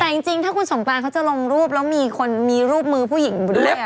แต่จริงถ้าคุณสองปานเขาจะลงรูปแล้วมีรูปมือผู้หญิงด้วย